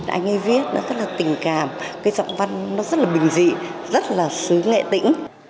anh ấy viết nó rất là tình cảm cái giọng văn nó rất là bình dị rất là xứ nghệ tĩnh